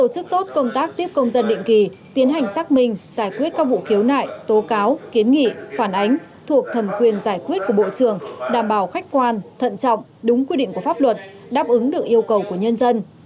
trước công tác tiếp công dân định kỳ tiến hành xác minh giải quyết các vụ khiếu nại tố cáo kiến nghị phản ánh thuộc thẩm quyền giải quyết của bộ trưởng đảm bảo khách quan thận trọng đúng quy định của pháp luật đáp ứng được yêu cầu của nhân dân